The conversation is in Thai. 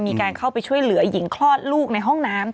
มีการเข้าไปช่วยเหลือหญิงคลอดลูกในห้องน้ำ